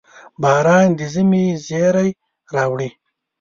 • باران د ژمي زېری راوړي.